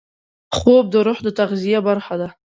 خوب د روح د تغذیې برخه ده